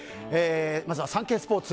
まずはサンケイスポーツ。